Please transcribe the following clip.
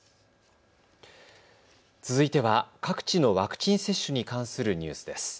続いては各地のワクチン接種に関するニュースです。